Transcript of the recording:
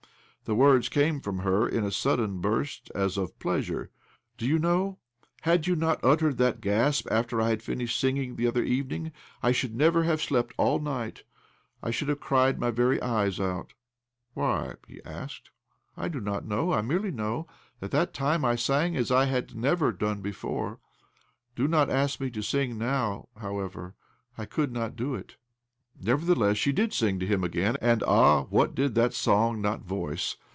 " The words came from her in a sudden burst as of pleasure. " Do you know, had you not uttered that gasp after I had finished singing the other evening, I should never have slept all night — I should have cried my very eyes out." "Why?" he asked. " I do not know. I merely know that that time I sang as I jhad never done before. Do not ask me to sing now, howievei' — I could not do it." Nevertheless she did sing to him again ; and, ah ! what did that song not voice